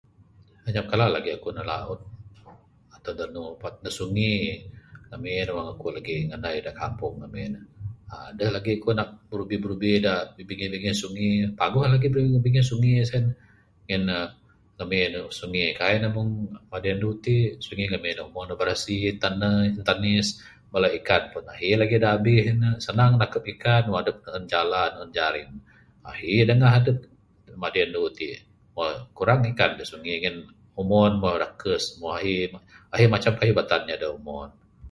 Anyap kala lagih aku nug laut ato danu, pak da sungi ngamin wang aku lagih nganai da kampung ngamin nuh aaa adeh lagih ku nak birubi2 da bangih2 sungi paguh lagih birubi da bangih sungi sien, ngin nuh ngamin sungi kaii nuh mung madi anu ti, sungi ngamin omon nuh birasi, tane tanis bala ikan pun ahi lagih dabih nuh, sanang nakup ikan wang adup neun jala neun jaring, ahi dangah adup madi anu iti mo kurang ikan da sungi, ngin umon muh dakus mo ahi, ahi macam kayuh da batan da umon.